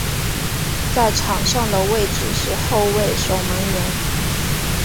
在场上的位置是后卫守门员。